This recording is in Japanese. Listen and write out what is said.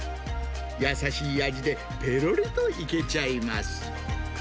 優しい味でぺろりといけちゃいます。